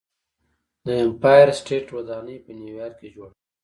د ایمپایر سټیټ ودانۍ په نیویارک کې جوړه شوه.